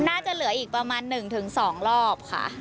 น่าจะเหลืออีกประมาณ๑๒รอบค่ะ